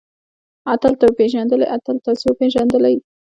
اتل تۀ وپېژندلې؟ اتل تاسې وپېژندلئ؟